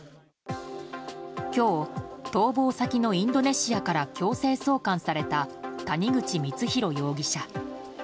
今日、逃亡先のインドネシアから強制送還された谷口光弘容疑者。